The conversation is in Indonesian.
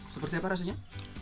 seperti apa rasanya